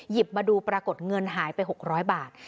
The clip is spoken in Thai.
มาดูปรากฏเงินหายไป๖๐๐บาท